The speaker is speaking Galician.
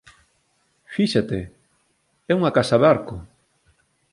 Fíxate, é unha casa barco.